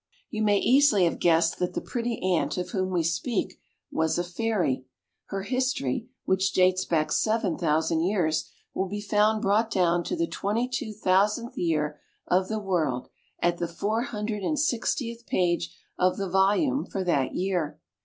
You may easily have guessed that the pretty Ant of whom we speak was a fairy. Her history, which dates back seven thousand years, will be found brought down to the twenty two thousandth year of the world at the four hundred and sixtieth page of the volume for that year.